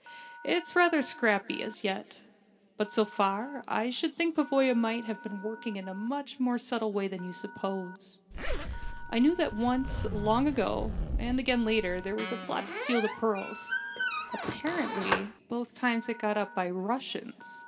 "It's rather scrappy as yet. But so far, I should think Pavoya might have been working in a much more subtle way than you suppose. I knew that once, long ago, and again later, there was a plot to steal the pearls. Apparently both times it was got up by Russians.